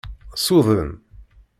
Suden.